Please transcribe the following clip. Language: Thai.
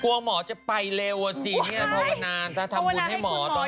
กัวหมอจะไปเร็วอ่ะสินี้พอนานถ้าทำคุณให้หมอต้อนรอดเลย